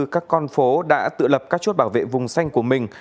các con phố đã tự lập các chốt bảo vệ vùng xanh của mình